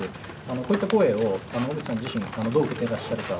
こういった声を、小渕さん自身がどう受けてらっしゃるか。